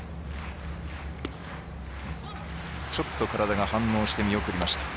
ちょっと体が反応して見送りました。